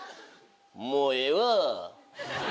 もうええわ。